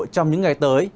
trong những ngày tới